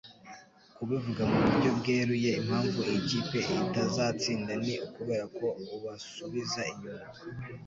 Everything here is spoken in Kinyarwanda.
Kubivuga mu buryo bweruye, impamvu iyi kipe itazatsinda ni ukubera ko ubasubiza inyuma.